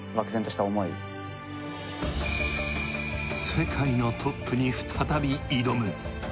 世界のトップに再び挑む。